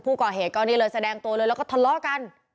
ผู้ก่อเหตุก็นี่เลยแสดงตัวเลยแล้วก็ทะเลาะกัน